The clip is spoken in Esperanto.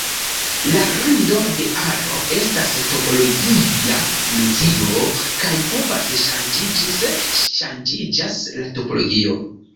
La rando de aro estas topologia nocio kaj povas ŝanĝiĝi se ŝanĝiĝas la topologio.